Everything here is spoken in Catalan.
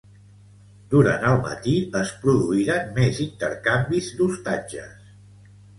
Durant el matí es produïren més intercanvis d'ostatges.